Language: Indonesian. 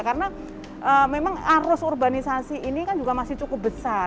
karena memang arus urbanisasi ini kan juga masih cukup besar gitu